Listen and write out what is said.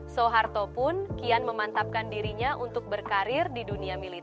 suharto pun kian memantapkan dirinya untuk berjalan ke jawa tengah